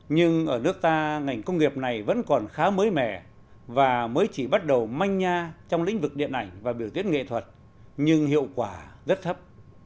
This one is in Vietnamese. nhưng ở nước ta ngành công nghiệp này vẫn còn khá mới mẻ và mới chỉ bắt đầu manh nha trong lĩnh vực điện ảnh và biểu diễn nghệ thuật nhưng hiệu quả rất thấp